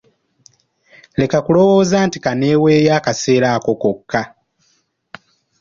Leka kuwoza nti kanneeweeyo akaseera ako kokka.